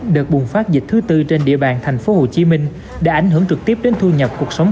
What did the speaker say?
đợt bùng phát dịch thứ tư trên địa bàn tp hcm đã ảnh hưởng trực tiếp đến thu nhập cuộc sống